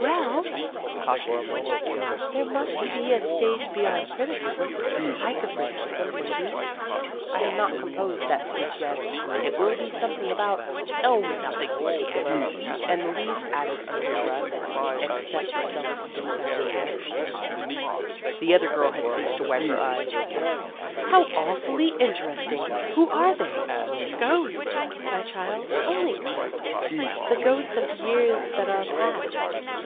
" Well " cautiously " there must be a stage beyond criticism hypercriticism, maybe. I have not composed that speech yet ; it will be something about oh, noth The Ghost of Her Senior Year 223 ing in particular," and Louise added under her breath, " except self dissatis faction." The other girl had ceased to wipe her eyes. " How awfully interesting ! Who are they ?"" Ghosts, my child, only ghosts the ghosts of the years that are past."